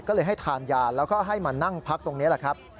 ก็เลยให้ทานยาแล้วก็ให้มานั่งพักตรงนี้แหละครับ